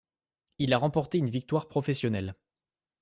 Il a remporté une victoire professionnelle.